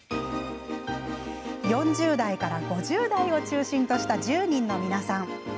４０代から５０代を中心とした１０人の皆さん。